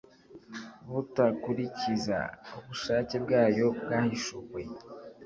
butakurikiza ubushake bwayo bwahishuwe